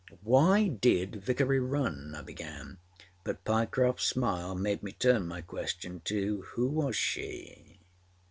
â âWhy did Vickery run,â I began, but Pyecroftâs smile made me turn my question to âWho was she?